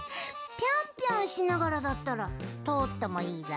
ぴょんぴょんしながらだったらとおってもいいぞ。